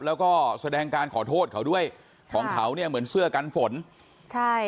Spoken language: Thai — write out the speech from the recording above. แล้วก็แสดงการขอโทษเขาด้วยของเขาเนี่ยเหมือนเสื้อกันฝนใช่